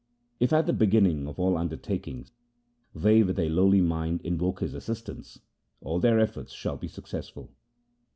If at the beginning of all undertakings they with a lowly mind invoke His assistance, all their efforts shall be successful.'